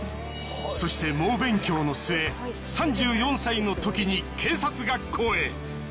そして猛勉強の末３４歳のときに警察学校へ。